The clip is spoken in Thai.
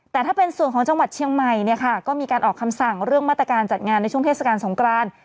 แต่ถ้าเป็นส่วนของจังหวัดเชียงใหม่เนี่ยค่ะก็มีการออกคำสั่งเรื่องมาตรการจัดงานในช่วงเทศกาลสงคราน